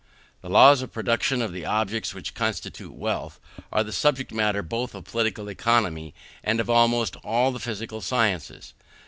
The laws of the production of the objects which constitute wealth, are the subject matter both of Political Economy and of almost all the physical sciences.